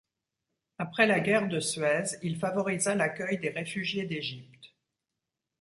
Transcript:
Après la guerre de Suez, il favorisa l'accueil des réfugiés d'Égypte.